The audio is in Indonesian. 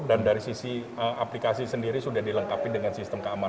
dan dari sisi aplikasi sendiri sudah dilengkapi dengan sistem keamanan